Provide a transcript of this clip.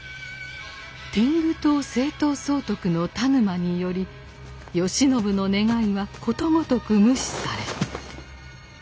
天狗党征討総督の田沼により慶喜の願いはことごとく無視され。